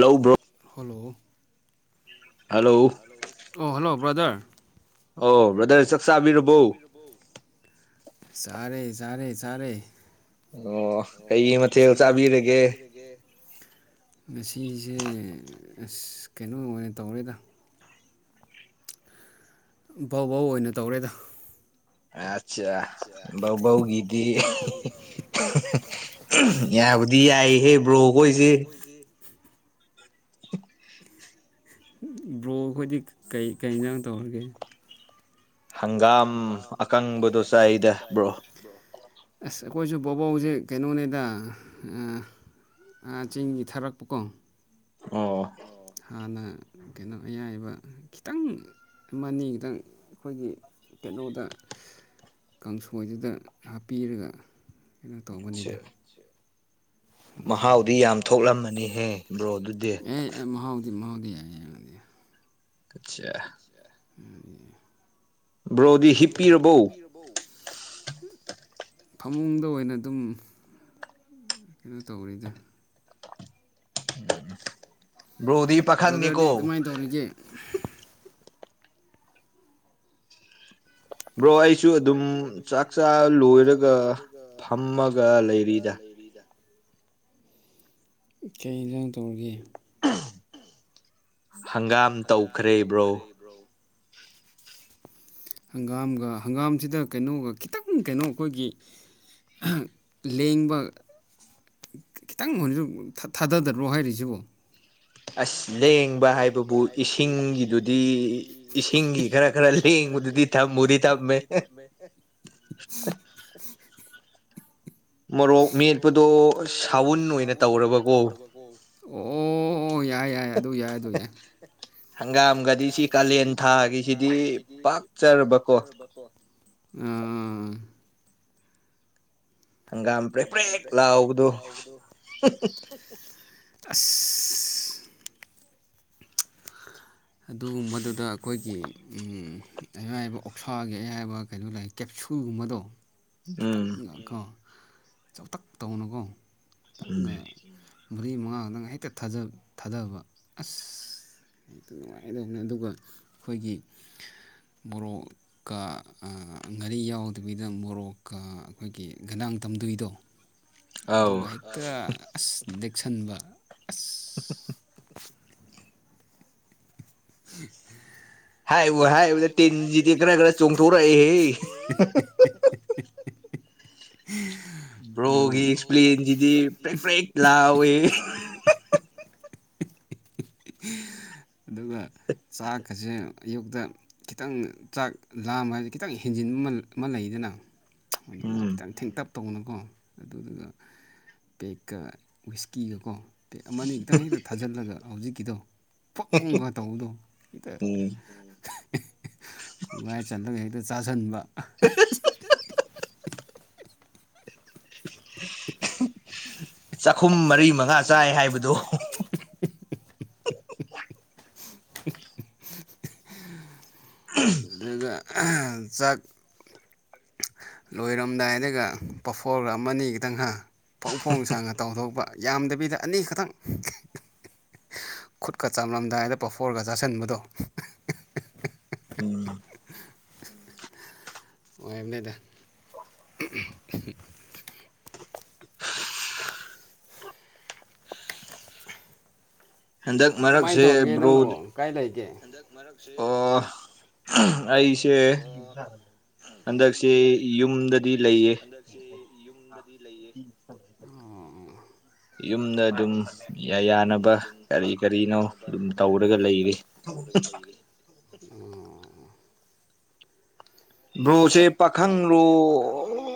ꯂꯧꯕ꯭ꯔꯣ ꯑꯣ [unintelligible] ꯑꯣ ꯍꯜꯂꯣ ꯕ꯭ꯔꯥꯗ꯭ꯔ ꯑꯣ ꯕ꯭ꯔꯗꯔ ꯆꯥꯛ ꯆꯥꯕꯤꯔꯕꯣ ꯆꯥꯔꯦ ꯆꯥꯔꯦ ꯆꯥꯔꯦ ꯑꯣ ꯀꯩ ꯀꯩ ꯃꯊꯦꯜ ꯆꯥꯕꯤꯔꯒꯦ ꯉꯥꯁꯤꯁꯦ ꯑꯁ ꯀꯩꯅꯣ ꯑꯣꯏꯅ ꯇꯧꯔꯦꯗ ꯥꯎ ꯕꯥꯎ ꯕꯥꯎ ꯑꯣꯏꯅ ꯇꯧꯔꯦꯗ ꯑꯠꯆꯥ ꯕꯧꯕꯧꯒꯤꯗꯤ ꯌꯥꯕꯨꯗꯤ ꯌꯥꯕꯨꯗꯤ ꯌꯥꯏꯍꯦ ꯕ꯭ꯔꯣ ꯑꯣꯏꯁꯦ [unintelligible] ꯕꯔꯣ ꯈꯣꯏꯗꯤ ꯀꯩ ꯀꯔꯤ ꯍꯤꯟꯖꯥꯡ ꯇꯧꯔꯒꯦ ꯍꯪꯒꯥꯝ ꯑꯀꯪꯕꯗꯣ ꯆꯥꯏꯗ ꯕ꯭ꯔꯣ ꯑꯩꯈꯣꯏꯁꯨ ꯕꯣꯕꯣꯛꯁꯦ ꯀꯩꯅꯣꯅꯤꯗ ꯑꯥ ꯆꯤꯡ ꯊꯔꯛꯄꯀꯣ ꯑꯣ ꯍꯥꯟꯅ ꯀꯩꯅꯣ ꯑꯌꯥꯏꯕ ꯈꯤꯇꯪ ꯑꯃꯅꯤ ꯈꯤꯇꯪ ꯑꯩꯈꯣꯏꯒꯤ ꯀꯩꯅꯣꯗ ꯀꯥꯡꯁꯣꯏꯗꯨꯗ ꯍꯥꯞꯄꯤꯔꯒ ꯀꯩꯅꯣ ꯇꯧꯕꯅꯤꯗ ꯑꯦ ꯑꯦ ꯃꯍꯥꯎꯗꯤ ꯃꯍꯥꯎ ꯌꯥ ꯌꯥꯏ ꯌꯥꯉꯗꯤ ꯑꯆꯥ ꯑꯅꯤ ꯕ꯭ꯔꯣꯗꯤ ꯍꯤꯞꯄꯤꯔꯕꯣ ꯐꯃꯨꯡꯗ ꯑꯣꯏꯅ ꯑꯗꯨꯝ ꯀꯩꯅꯣ ꯇꯧꯔꯤꯗ ꯕ꯭ꯔꯣꯗꯤ ꯄꯥꯈꯪꯅꯤꯀꯣ ꯕ꯭ꯔꯣ ꯑꯩꯁꯨ ꯑꯗꯨꯝ ꯆꯥꯛ ꯆꯥ ꯂꯣꯏꯔꯒ ꯐꯝꯃꯒ ꯂꯩꯔꯤꯗ ꯀꯩ ꯏꯟꯁꯥꯡ ꯇꯧꯔꯒꯦ ꯍꯪꯒꯥꯝ ꯇꯧꯈ꯭ꯔꯦꯕ꯭ꯔꯣ ꯍꯪꯒꯝꯒ ꯍꯪꯒꯥꯝꯁꯤꯗ ꯀꯩꯅꯣꯒ ꯈꯤꯇꯪ ꯀꯩꯅꯣ ꯑꯩꯈꯣꯏꯒꯤ ꯂꯦꯡꯕ ꯈꯤꯇꯪ ꯑꯣꯏꯔꯁꯨ ꯊꯥꯗꯗꯕ꯭ꯔꯣ ꯍꯥꯏꯔꯤꯁꯤꯕꯣ ꯑꯁ ꯂꯦꯡꯕ ꯍꯥꯏꯕꯕꯨ ꯏꯁꯤꯡꯒꯤꯗꯨꯗꯤ ꯏꯁꯤꯡꯒꯤ ꯈꯔ ꯈꯔ ꯂꯦꯡ ꯂꯦꯡꯕꯗꯨꯗꯤ ꯊꯝꯕꯨꯗꯤ ꯊꯝꯃꯦ ꯃꯣꯔꯣꯛ ꯃꯦꯠꯄꯗꯣ ꯁꯥꯎꯟ ꯑꯣꯏꯅ ꯇꯧꯔꯕꯀꯣ ꯑꯣ ꯌꯥꯏ ꯌꯥꯏ ꯑꯗꯨ ꯌꯥꯏ ꯑꯗꯨ ꯌꯥꯏ ꯍꯪꯒꯥꯝꯒꯗꯤ ꯁꯤ ꯀꯥꯂꯦꯟ ꯊꯥꯒꯤꯁꯤꯗꯤ ꯄꯥꯛꯆꯔꯕꯀꯣ ꯑꯥ ꯑ ꯍꯪꯒꯥꯝ ꯄ꯭ꯔꯦꯛ ꯄꯔ꯭ꯦꯛ ꯂꯥꯎꯕꯗꯣ ꯑ [inaudible] ꯑꯗꯨꯒꯨꯝꯕꯗꯨꯗ ꯑꯩꯈꯣꯏꯒꯤ ꯎꯝ ꯑꯌꯥꯥꯏꯕ ꯑꯣꯛꯁꯥꯒꯤ ꯑꯌꯥꯕ ꯀꯩꯅꯣ ꯂꯩ ꯀꯦꯞꯁꯨ ꯐꯨꯒꯨꯝꯃꯗꯣ ꯈꯤꯇꯪꯒꯀꯣ ꯆꯥꯎꯊꯛ ꯇꯧꯕꯅꯨꯀꯣ ꯈꯤꯇꯪꯒ ꯃꯔꯤ ꯃꯉꯥ ꯅꯪ ꯍꯦꯛꯇ ꯊꯥꯖ ꯊꯥꯗꯕ ꯑꯁ ꯅꯨꯡꯉꯥꯏꯗꯅ ꯑꯗꯨꯒ ꯑꯩꯈꯣꯏꯒꯤ ꯃꯣꯔꯣꯛꯀ ꯉꯥꯔꯤ ꯌꯥꯎꯗꯕꯤꯗ ꯃꯣꯔꯣꯛꯀ ꯑꯩꯈꯣꯏꯒꯤ ꯒꯗꯥꯡ ꯇꯝꯗꯏꯗꯣ ꯑꯗꯨꯒ ꯍꯦꯛꯇ ꯑꯁ ꯂꯦꯛꯁꯟꯕ ꯑꯁ [inaudible] ꯍꯥꯏꯕ ꯍꯥꯏ ꯇ ꯆꯣꯡ ꯇ ꯍ [unintelligible] ꯕ꯭ꯔꯣꯒꯤ ꯏꯁꯄ꯭ꯂꯦꯟꯁꯤꯗꯤ ꯄ꯭ꯔꯦꯛ ꯄ꯭ꯔꯦꯛ ꯂꯥꯎꯋꯦ ꯑꯗꯨꯒ ꯆꯥꯛꯀꯁꯦ ꯑꯌꯨꯛꯇ ꯈꯤꯇꯪ ꯆꯥꯛ ꯂꯥꯝꯕ ꯍꯥꯏꯁꯦ ꯈꯤꯇꯪ ꯍꯦꯟꯖꯤꯟꯕ ꯑꯃ ꯂꯩꯗꯅ ꯑꯗꯨꯅ ꯈꯤꯇꯪ ꯊꯦꯡꯇꯞ ꯇꯧꯅꯀꯣ ꯑꯗꯨꯗꯨꯒ ꯄꯦꯛꯀ ꯋꯤꯁꯀꯤꯒꯀꯣ ꯑ ꯄꯦꯛ ꯑꯃꯅꯤ ꯑꯃꯅꯤ ꯈꯤꯇꯪ ꯍꯦꯛꯇ ꯊꯥꯖꯤꯜꯂꯒ ꯍꯧꯖꯤꯛꯀꯤꯗꯣ ꯐꯣꯡ ꯐꯣꯡ ꯒ ꯇꯧꯕꯗꯣ ꯍꯤꯛꯇ ꯈꯣꯡꯒꯥꯏ ꯆꯜꯂꯒ ꯍꯛꯇ ꯗ ꯆꯥꯥꯁꯟꯕ [unintelligible] ꯆꯥꯛꯈꯨꯝ ꯃꯔꯤ ꯃꯉꯥ ꯆꯥꯏ ꯍꯥꯏꯕꯗꯨ [unintelligible] [inaudible] ꯑꯗꯨꯗ ꯑꯥꯍ ꯆꯥꯛ ꯂꯣꯏꯔꯝꯗꯥꯏꯗꯒ ꯄꯐꯣꯔꯒ ꯑꯃꯅꯤ ꯈꯤꯇꯪꯒ ꯐꯣꯡ ꯐꯣꯡ ꯁꯥꯅ ꯇꯥꯎꯊꯣꯛꯄ ꯌꯥꯝꯗꯕꯤꯗ ꯑꯅꯤꯈꯛꯇꯪ ꯈꯨꯠꯀ ꯆꯥꯝꯂꯝꯗꯥꯏꯗ ꯄꯐꯣꯔꯒ ꯆꯥꯁꯟꯕꯗꯣ ꯑꯣꯏꯔꯝꯅꯤꯗ ꯀꯃꯥꯏꯅ ꯇꯧꯔꯤꯒꯦ ꯅꯪꯕꯨ ꯀꯥꯏ ꯂꯩꯒꯦ ꯑꯩꯁꯦ ꯍꯟꯗꯛꯁꯦ ꯌꯨꯝꯗꯗꯤ ꯂꯩꯌꯦ ꯌꯨꯝꯗ ꯑꯗꯨꯝ ꯌꯨꯝꯗ ꯑꯗꯨꯝ ꯌꯥꯅ ꯌꯥꯅꯕ ꯀꯔꯤ ꯀꯔꯤꯅꯣ ꯇꯧꯔꯒ ꯂꯩꯔꯤ ꯎꯝ ꯕ꯭ꯔꯣꯁꯦ ꯄꯈꯪ ꯂꯣ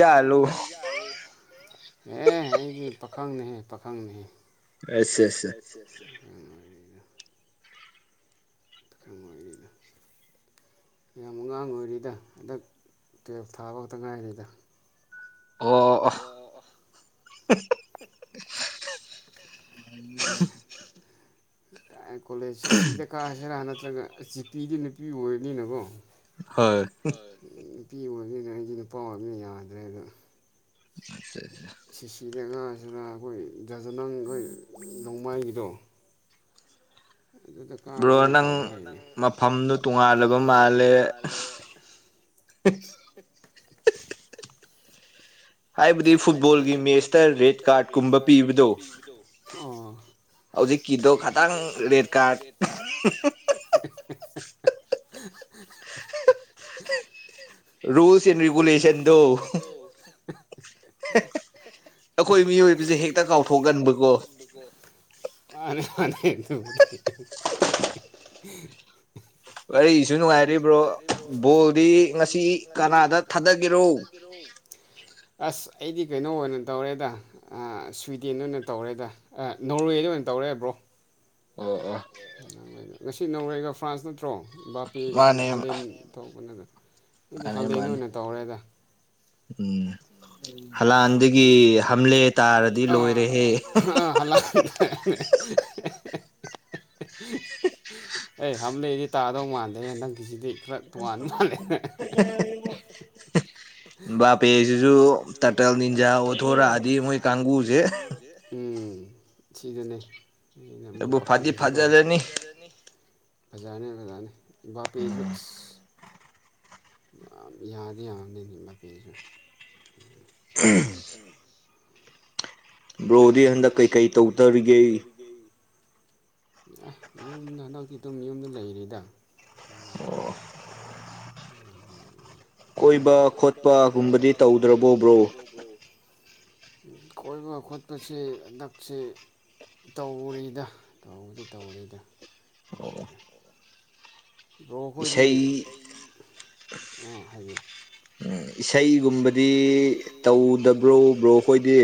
ꯀꯔꯤ ꯑꯣꯏꯖꯥꯠꯂꯣ ꯑꯦ ꯑꯩꯗꯤ ꯄꯥꯈꯪꯅꯦꯍꯦ ꯄꯥꯈꯪꯅꯦꯍꯦ ꯑꯁ ꯑꯁ ꯁꯥ [inaudible] ꯌꯥꯝ ꯑꯉꯥꯡ ꯑꯣꯏꯔꯤꯗ ꯍꯟꯗꯛ ꯇꯨꯋꯦ꯭ꯜꯞ ꯊꯥꯕ ꯈꯛꯇ ꯉꯥꯏꯔꯤꯗ ꯑꯣ ꯑꯣꯍ [unintelligible] ꯑꯥ ꯀꯣꯂꯦꯖ ꯁꯤꯗ ꯀꯥꯁꯤꯔꯥ ꯅꯠꯇ꯭ꯔꯒ ꯖꯤ ꯄꯤ ꯗꯤ ꯅꯨꯄꯤ ꯑꯣꯏꯕꯅꯤꯅ ꯀꯣ ꯍꯣꯏ ꯍꯨ ꯅꯨꯄꯤ ꯑꯣꯏꯕꯅꯤꯅ ꯑꯩꯗꯤ ꯅꯨꯄꯥ ꯑꯣꯏꯕꯅꯤꯅ ꯌꯥꯗ꯭ꯔꯦ ꯗꯣ [unintelligible] ꯁꯤꯁꯤꯗꯉꯥꯡꯁꯤꯅ ꯑꯩꯈꯣꯏ ꯖꯗꯨꯅꯪ ꯑꯩꯈꯣꯏ ꯅꯣꯡꯃꯥꯏꯒꯤꯗꯣ ꯕ꯭ꯔꯣ ꯅꯪ ꯃꯐꯝꯗꯨ ꯇꯣꯉꯥꯜꯂꯕ ꯃꯥꯜꯂꯦ ꯍꯦ ꯑꯩꯕꯨꯗꯤ ꯐꯨꯠꯕꯣꯜꯒꯤ ꯃꯦꯠꯁꯇ ꯔꯦꯠ ꯀꯥꯔꯠ ꯀꯨꯝꯕ ꯄꯤꯕꯗꯣ ꯑꯣ ꯑꯗꯨꯒꯤꯗꯣ ꯈꯇꯪ ꯔꯦꯠ ꯀꯥꯔꯠ [unintelligible] ꯔꯨꯜꯁ ꯑꯦꯟ ꯔꯤꯒꯨꯂꯦꯁꯟꯗꯣ ꯍꯦ ꯍꯦ ꯑꯈꯣꯏ ꯃꯤꯑꯣꯏꯕꯁꯦ ꯍꯦꯛꯇ ꯀꯥꯎꯊꯣꯛꯀꯟꯕꯀꯣ ꯃꯥꯅꯦ ꯃꯥꯅꯦ ꯑꯗꯨꯕꯨꯗꯤ [unintelligible] ꯋꯥꯔꯤꯁꯨ ꯅꯨꯡꯉꯥꯏꯔꯤ ꯕ꯭ꯔꯣ ꯕꯣꯜꯗꯤ ꯉꯁꯤ ꯀꯅꯥꯗ ꯊꯥꯗꯒꯦꯔꯣ [inaudible] ꯑꯁ ꯑꯩꯗꯤ ꯀꯩꯅꯣ ꯑꯣꯏꯅ ꯇꯧꯔꯦꯗ ꯁ꯭ꯋꯤꯗꯦꯟꯗ ꯑꯣꯏꯅ ꯇꯧꯔꯦꯗ ꯑꯥ ꯅꯣꯔꯋꯦꯗ ꯑꯣꯏꯅ ꯇꯧꯔꯦ ꯍꯣꯔꯦꯟ ꯕ꯭ꯔꯣ ꯑꯣ ꯑꯣ ꯉꯁꯤ ꯅꯧꯔꯋꯦꯒ ꯐ꯭ꯔꯥꯟꯁ ꯅꯠꯇ꯭ꯔꯣ ꯕꯥꯞꯄꯦꯒ ꯍꯜ ꯍꯂꯦꯟ ꯇꯧꯕꯅꯦ ꯑꯗꯨꯝ ꯑꯩꯗꯤ ꯍꯂꯦꯟꯗ ꯑꯣꯏꯅ ꯇꯧꯔꯦꯗ ꯎꯝ ꯍꯂꯥꯟꯗꯒꯤ ꯍꯥꯝꯂꯦ ꯇꯥꯔꯗꯤ ꯂꯣꯏꯔꯦꯍꯦ ꯍꯨ ꯍꯨ ꯍꯥ ꯍꯥ ꯍꯦ ꯍꯦ ꯍꯦ ꯑꯦ ꯑꯦ ꯑꯦ ꯍꯝꯂꯦꯗꯤ ꯇꯥꯗꯧ ꯃꯥꯟꯗꯦ ꯍꯟꯗꯛꯀꯤꯁꯤꯗꯤ ꯈꯔ ꯇꯣꯉꯥꯟꯅ ꯃꯥꯜꯂꯦ [unintelligible] ꯍꯦ ꯄꯦꯁꯤꯁꯨ [unintelligible] ꯑꯣꯟꯊꯣꯔꯛꯑꯅꯤ ꯃꯣꯏ ꯀꯥꯡꯕꯨꯖꯦ ꯁꯤꯗꯅꯦ ꯑꯩꯅ ꯑꯃꯨꯛ ꯄꯥꯈꯠꯂꯤꯁꯦꯀꯣ ꯐꯗꯤ ꯐꯖꯔꯅꯤ ꯖꯅꯤ ꯐꯖꯅꯤ ꯕꯥꯞꯄꯦꯖꯨ ꯑꯁ ꯌꯥꯗꯤ ꯌꯥꯅꯤ ꯏ ꯂꯄꯤꯁꯨ [inaudible] ꯕ꯭ꯔꯣꯗꯤ ꯍꯟꯗꯛ ꯀꯩꯀꯩ ꯇꯧꯇꯔꯤꯒꯦ ꯑꯥꯏ ꯌꯨꯝꯗ ꯍꯟꯗꯛꯇꯤ ꯗꯨꯨꯝ ꯌꯨꯝꯗ ꯂꯩꯔꯦꯗ ꯑꯣ [inaudible] ꯀꯣꯏꯕ ꯈꯣꯠꯄꯒꯨꯝꯕꯗꯤ ꯇꯧꯗ꯭ꯔꯕꯣ ꯕ꯭ꯔꯣ ꯀꯣꯏꯕ ꯈꯣꯠꯄꯁ ꯍꯟꯗꯛꯁꯦ ꯇꯧꯔꯤꯗ ꯇꯧꯕꯗꯤ ꯇꯧꯔꯤꯗ ꯇꯧꯔꯤꯗ [inaudible] ꯕ꯭ꯔꯣ ꯈꯣꯏꯗꯤ ꯏꯁꯩ ꯑꯥ ꯍꯥꯏꯌꯦ ꯏꯁꯩꯒꯨꯝꯕꯗꯤ ꯇꯧꯗꯕ꯭ꯔꯣ ꯕ꯭ꯔꯣ ꯈꯣꯏꯗꯤ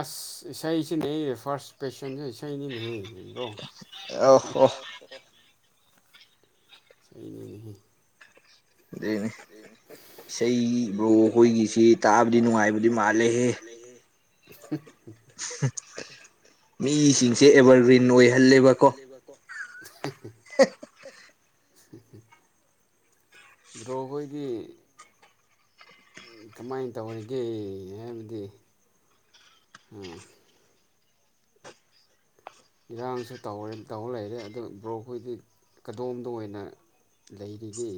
ꯑꯁ ꯏꯁꯩꯁꯤꯗꯤ ꯐꯥꯔꯁ ꯄꯦꯁꯟꯁꯦ ꯏꯁꯩꯅꯤꯅꯦ ꯕ꯭ꯔꯣ ꯑꯥ ꯑꯣꯛ ꯏꯁꯩꯅꯤꯅꯦ ꯍꯦ ꯑꯗꯨꯏꯅꯩ ꯏꯁꯩ ꯕꯨ꯭ꯔꯣ ꯈꯣꯏꯒꯤꯁꯤ ꯇꯥꯛꯕꯗꯤ ꯅꯨꯡꯉꯥꯏꯕꯗꯤ ꯃꯥꯜꯂꯦꯍꯦ [inaudible] ꯍꯝ ꯃꯤꯁꯤꯡꯁꯦ ꯑꯦꯚꯔꯒ꯭ꯔꯤꯟ ꯑꯣꯏꯍꯜꯂꯦꯕꯀꯣ [inaudible] ꯍꯦꯍꯦ ꯗ꯭ꯔꯣꯈꯣꯏꯗꯤ ꯀꯃꯥꯏꯅ ꯇꯧꯔꯤꯒꯦ ꯍꯥꯏꯕꯗꯤ ꯑꯥ ꯏꯔꯥꯡꯁꯨ ꯇꯧ ꯇꯧ ꯂꯩꯔꯦ ꯑꯗꯨ ꯕ꯭ꯔꯣꯛꯈꯣꯏꯗꯤ ꯀꯗꯣꯝꯗ ꯑꯣꯏꯅ ꯂꯩꯔꯤꯒꯦ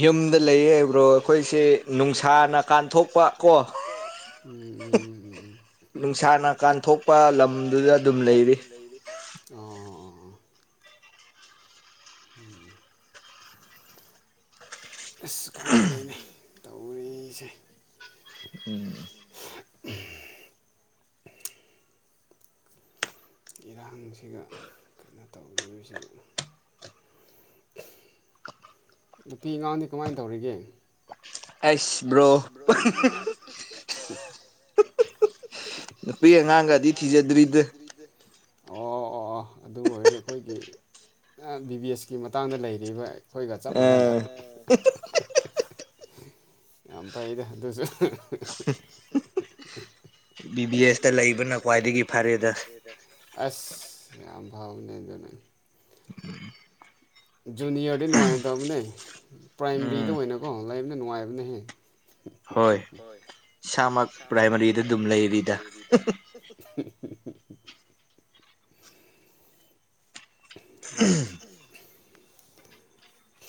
ꯌꯨꯝꯗ ꯂꯩꯌꯦ ꯕ꯭ꯔꯣ ꯈꯣꯏꯁꯦ ꯅꯨꯡꯁꯥꯅ ꯀꯥꯟꯊꯣꯛꯄ ꯀꯣ ꯎꯝ ꯎꯝ ꯎꯝ ꯎꯝ ꯎꯝ ꯅꯨꯡꯁꯥ ꯅꯥ ꯀꯥꯟꯊꯣꯛꯄ ꯂꯝꯗꯨꯗ ꯗꯨꯝ ꯂꯩꯔꯤ ꯑꯣ ꯎꯝ ꯑꯁ ꯈꯪꯗ꯭ꯔꯦꯅꯦ ꯇꯧꯔꯤꯁꯦ [inaudible] ꯏꯔꯥꯡꯁꯤꯒ ꯀꯩꯅꯣ ꯇꯧꯗꯣꯏꯁꯤꯒ [inaudible] ꯅꯨꯄꯤ ꯑꯉꯥꯡꯗꯤ ꯀꯃꯥꯏꯅ ꯇꯧꯔꯤꯒꯦ ꯑꯩꯁ ꯕ꯭ꯔꯣ [unintelligible] ꯅꯨꯄꯤ ꯑꯉꯥꯡꯒꯗꯤ ꯊꯤꯖꯗ꯭ꯔꯤꯗ ꯑꯣ ꯑꯣ ꯑꯣ ꯑꯗꯨ ꯑꯣꯏꯔꯦ ꯑꯈꯣꯏꯒꯤ ꯑꯥ ꯕꯤ ꯕꯤ ꯑꯦꯁꯀꯤ ꯃꯇꯥꯡꯗ ꯂꯩꯔꯤꯕ ꯈꯣꯏꯒ ꯆꯞ ꯃꯥꯟꯅꯅ ꯌꯥꯝ ꯐꯩꯗ ꯗꯨꯁꯨ ꯕꯤ ꯕꯤ ꯑꯦꯁꯇ ꯂꯩꯕꯅ ꯈ꯭ꯋꯥꯏꯗꯒꯤ ꯐꯔꯦꯗ ꯑꯁ ꯌꯥꯝ ꯐꯥꯕꯅꯦ ꯑꯗꯨꯅ ꯖꯨꯅꯤꯌꯔꯗꯤ ꯅꯨꯡꯉꯥꯏꯇꯕꯅꯦ ꯄ꯭ꯔꯥꯏꯃꯔꯤꯗ ꯑꯣꯏꯅꯀꯣ ꯂꯩꯕꯅ ꯅꯨꯡꯉꯥꯏꯕꯅꯦꯍꯦ ꯍꯣꯏ ꯏꯁꯥꯃꯛ ꯄ꯭ꯔꯥꯏꯃꯔꯤꯗ ꯗꯨꯝꯂꯩꯔꯤꯗ [unintelligible] [inaudible]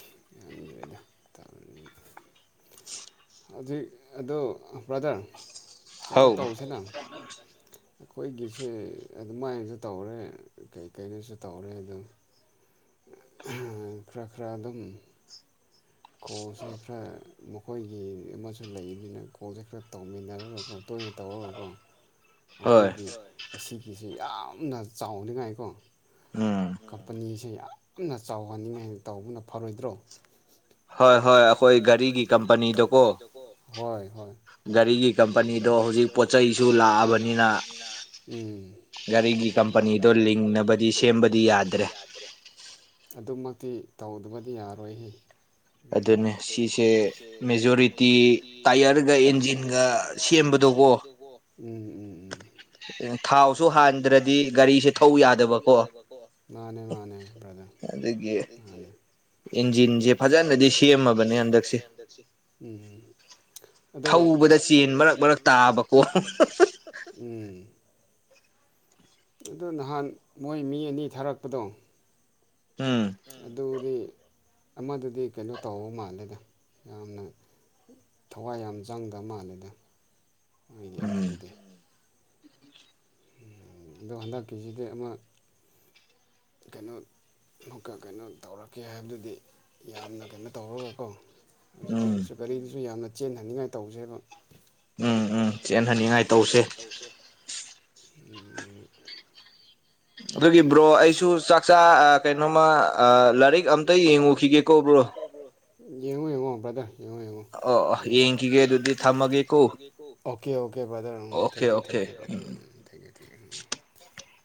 [inaudible] ꯍꯧꯖꯤꯛ ꯑꯗꯣ ꯕ꯭ꯔꯥꯗ꯭ꯔ ꯀꯩꯅꯣ ꯇꯧꯁꯤꯅ [inaudible] ꯑꯩꯈꯣꯏꯒꯤꯁꯦ ꯑꯗꯨꯃꯥꯏꯅꯁꯨ ꯇꯧꯔꯦ ꯀꯩꯀꯩꯗꯁꯨ ꯇꯧꯔꯦ ꯗꯨꯝ ꯑ ꯍꯝ ꯈꯔꯥ ꯈꯔꯥ ꯗꯨꯝ ꯀꯣꯜꯁꯦ ꯈꯥꯔ ꯃꯈꯣꯏꯒꯤ ꯑꯃꯁꯨ ꯂꯩꯝꯅꯤꯅ ꯀꯣꯜꯁꯦ ꯈꯥꯔ ꯇꯧꯃꯤꯟꯅꯔꯒ ꯑꯈꯣꯏꯒꯤ ꯇꯧꯔꯒꯀꯣ ꯑꯩꯈꯣꯏꯒꯤ ꯑꯁꯤꯒꯤꯁꯤ ꯌꯥꯝꯅ ꯆꯥꯎꯅꯤꯡꯉꯥꯏꯀꯣ ꯀꯝꯄꯅꯤꯁꯦ ꯌꯥꯝꯅ ꯆꯥꯎꯍꯟꯅꯤꯡꯉꯥꯏꯅ ꯇꯧꯕꯅ ꯐꯔꯣꯏꯗ꯭ꯔꯣ ꯍꯣꯏ ꯍꯣꯏ ꯑꯈꯣꯏ ꯒꯥꯔꯤꯒꯤ ꯀꯝꯄꯅꯤꯗ ꯀꯣ ꯍꯣꯏ ꯍꯣꯏ ꯒꯥꯔꯤꯒꯤ ꯀꯝꯄꯅꯤꯗꯣ ꯍꯧꯖꯤꯛ ꯄꯣꯠ ꯆꯩꯁꯨ ꯂꯥꯛꯑꯕꯅꯤꯅ ꯎꯝ ꯒꯥꯔꯤꯒꯤ ꯀꯝꯄꯅꯤꯗꯣ ꯂꯤꯡꯅꯕꯗꯤ ꯁꯦꯝꯕꯗꯤ ꯌꯥꯗ꯭ꯔꯦ ꯑꯗꯨꯃꯛꯇꯤ ꯇꯧꯗꯕꯗꯤ ꯌꯥꯔꯣꯏꯍꯦ ꯑꯗꯨꯅꯦ ꯁꯤꯁꯦ ꯃꯦꯖꯣꯔꯤꯇꯤ ꯇꯥꯏꯌꯔꯒ ꯏꯟꯖꯤꯟꯒ ꯁꯦꯝꯕꯗꯣꯀꯣ ꯎꯝ ꯎꯝ ꯎꯝ ꯊꯥꯎꯁꯨ ꯍꯥꯟꯗ꯭ꯔꯗꯤ ꯒꯥꯔꯤꯁꯦ ꯊꯧ ꯌꯥꯗꯕꯀꯣ ꯃꯥꯅꯦ ꯃꯥꯅꯦ ꯑꯗꯒꯤ ꯏꯟꯖꯤꯟ ꯖꯦ ꯐꯖꯥꯅꯗꯤ ꯐꯖꯅꯗꯤ ꯁꯦꯝꯃꯕꯅꯦ ꯍꯟꯗꯛꯁꯦ ꯎꯝ ꯎꯝ ꯑꯗꯣ ꯊꯧꯕꯗ ꯆꯦꯟ ꯃꯔꯛ ꯃꯔꯛ ꯇꯥꯕꯀꯣ ꯎꯝ [inaudible] ꯑꯗꯨ ꯅꯍꯥꯟ ꯃꯣꯏ ꯃꯤ ꯑꯅꯤ ꯊꯥꯔꯛꯄꯗꯣ ꯎꯝ ꯑꯗꯨꯗꯤ ꯑꯃꯗꯨꯗꯤ ꯀꯩꯅꯣ ꯇꯧꯕ ꯃꯥꯜꯂꯦꯗ ꯌꯥꯝꯅ ꯊꯋꯥꯏ ꯌꯥꯝ ꯆꯪꯗꯕ ꯃꯥꯜꯂꯦꯗ ꯃꯣꯏꯒꯤ ꯑꯃꯗꯨꯗꯤ ꯑꯗꯣ ꯍꯟꯗꯛ ꯀꯤꯖꯤꯗ ꯑꯃ ꯀꯩꯅꯣ ꯑꯃꯨꯛꯀ ꯀꯩꯅꯣ ꯇꯧꯔꯛꯀꯦ ꯍꯥꯏꯕꯗꯨꯗꯤ ꯌꯥꯝꯅ ꯀꯩꯅꯣ ꯇꯧꯔꯒꯀꯣ ꯍꯧꯖꯤꯛꯀꯤꯗꯨꯁꯨ ꯒꯥꯔꯤꯗꯨꯁꯨ ꯌꯥꯝꯅ ꯆꯦꯟꯅꯅꯤꯡꯉꯥꯏ ꯇꯧꯁꯦꯕ ꯎꯝ ꯎꯝ ꯆꯦꯟ ꯍꯟꯅꯤꯡꯉꯥꯏ ꯇꯧꯁꯦ ꯎꯝ ꯑꯗꯨꯗꯤ ꯕ꯭ꯔꯣ ꯑꯩꯁꯨ ꯆꯥꯛꯆꯥꯥ ꯀꯩꯅꯣꯃ ꯂꯥꯏꯔꯤꯛ ꯑꯝꯇ ꯌꯦꯡꯉꯨꯈꯤꯒꯦꯀꯣ ꯕ꯭ꯔꯣ [inaudible] ꯌꯦꯡꯉꯣ ꯌꯦꯡꯉꯣ ꯕ꯭ꯔꯥꯗꯔ ꯌꯦꯡꯉꯣ ꯌꯦꯡꯉꯣ ꯑꯣ ꯌꯦꯡ ꯌꯦꯡꯈꯤꯒꯦ ꯑꯗꯨꯗꯤ ꯊꯝꯃꯒꯦ ꯀꯣ okay okay brother um thank you thank you thank you [unintelligible]